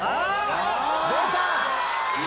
出た！